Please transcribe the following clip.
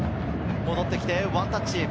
戻ってきてワンタッチ。